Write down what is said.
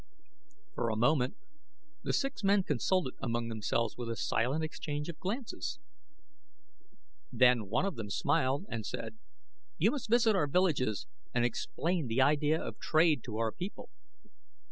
For a moment the six men consulted among themselves with a silent exchange of glances. Then one of them smiled and said, "You must visit our villages and explain the idea of trade to our people."